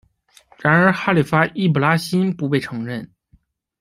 然而哈里发易卜拉欣不被承认。